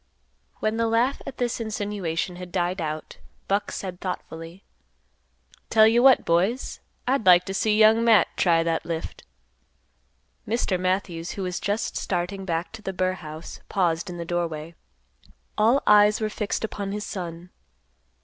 When the laugh at this insinuation had died out, Buck said thoughtfully, "Tell you what, boys; I'd like t' see Young Matt try that lift." Mr. Matthews, who was just starting back to the burr house, paused in the doorway. All eyes were fixed upon his son.